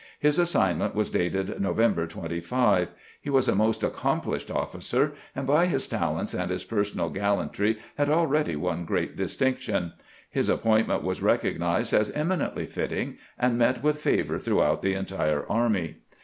His assignment was dated November 25. He was a most accomplished officer, and by his talents and his personal gallantry had already won great distinction. His appointment was recognized as eminently fitting, and met with favor throughout the entire army.